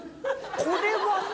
これはね